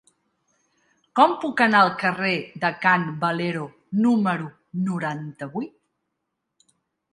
Com puc anar al carrer de Can Valero número noranta-vuit?